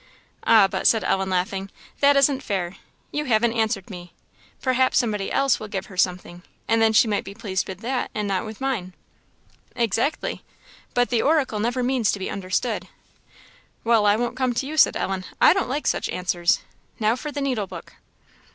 "Ah, but," said Ellen, laughing, "that isn't fair; you haven't answered me; perhaps somebody else will give her something, and then she might be pleased with that, and not with mine." "Exactly but the oracle never means to be understood." "Well, I won't come to you," said Ellen. "I don't like such answers. Now for the needlebook!"